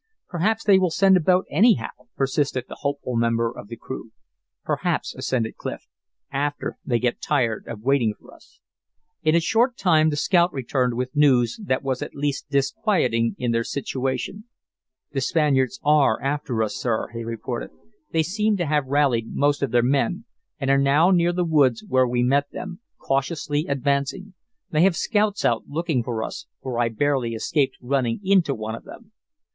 "Perhaps they will send a boat anyhow," persisted the hopeful member of the crew. "Perhaps," assented Clif, "after they get tired of waiting for us." In a short time the scout returned with news that was at least disquieting in their situation. "The Spaniards are after us, sir," he reported. "They seem to have rallied most of their men, and are now near the woods where we met them, cautiously advancing. They have scouts out looking for us, for I barely escaped running into one of them."